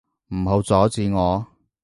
唔好阻止我！